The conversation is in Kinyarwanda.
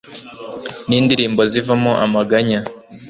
n'indirimbo zivamo amaganya